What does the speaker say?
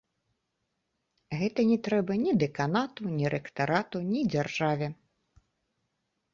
Гэта не трэба ні дэканату, ні рэктарату, ні дзяржаве.